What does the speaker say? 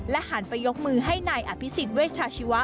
หันไปยกมือให้นายอภิษฎเวชาชีวะ